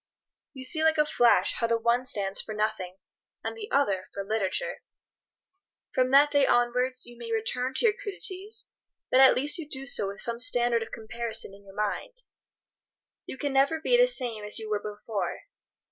You see, like a flash, how the one stands for nothing, and the other for literature. From that day onwards you may return to your crudities, but at least you do so with some standard of comparison in your mind. You can never be the same as you were before.